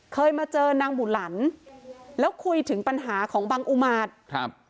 เคยมาเจอนางบุหลันแล้วคุยถึงปัญหาของบังอุมาตรครับ